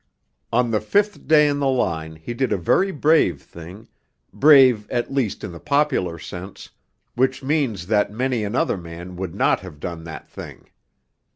On the fifth day in the line he did a very brave thing brave, at least, in the popular sense, which means that many another man would not have done that thing.